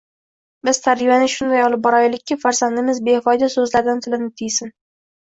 Biz tarbiyani shunday olib boraylikki, farzandimiz befoyda so‘zlardan tilini tiysin